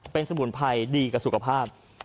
เป็นสมุนไพรดีกับสุขภาพ